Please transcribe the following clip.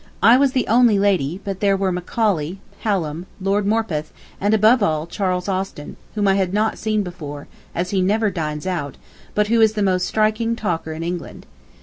I was the only lady, but there were Macaulay, Hallam, Lord Morpeth, and, above all, Charles Austin, whom I had not seen before, as he never dines out, but who is the most striking talker in England.